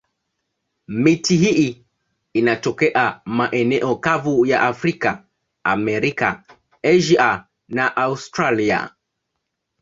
Miti hii inatokea maeneo kavu ya Afrika, Amerika, Asia na Australia.